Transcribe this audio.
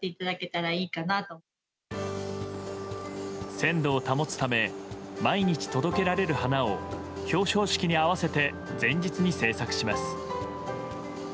鮮度を保つため毎日届けられる花を表彰式に合わせて前日に制作します。